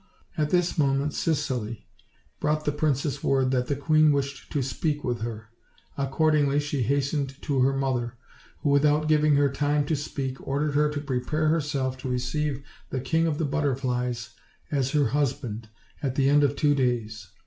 At this moment Cicely brought the princess word that the queen wished to speak with her: accordingly, she hastened to her mother, who, without giving her time to speak, ordered her to prepare herself to receive the King of the Butterflies as her husband at the end of two days.